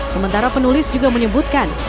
sementara penulis juga menyebutkan